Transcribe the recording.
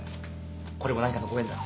これも何かのご縁だ。